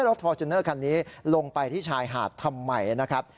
ฟอร์จูเนอร์คันนี้ลงไปที่ชายหาดทำไมนะครับ